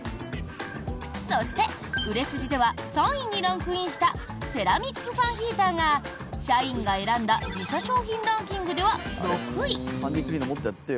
そして、売れ筋では３位にランクインしたセラミックファンヒーターが社員が選んだ自社商品ランキングでは６位。